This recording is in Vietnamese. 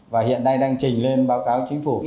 và hiện nay đang trình lên báo cáo chính phủ